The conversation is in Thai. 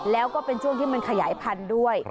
แล้วก็เป็นช่วงที่มันขยายพันธุ์ด้วย